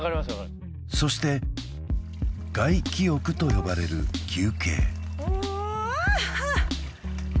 そして外気浴と呼ばれる休憩うわっ